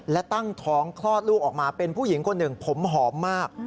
และตั้งท้องคลอดลูกออกมาเป็นผู้หญิงคนหนึ่งผมหอมมาก